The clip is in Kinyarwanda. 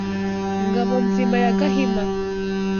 Ngabo-nzima ya Gahima